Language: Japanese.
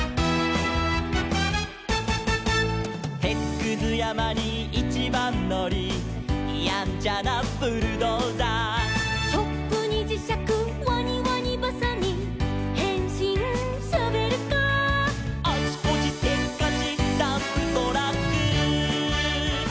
「てつくずやまにいちばんのり」「やんちゃなブルドーザー」「チョップにじしゃくワニワニばさみ」「へんしんショベルカー」「あちこちせっかちダンプトラック」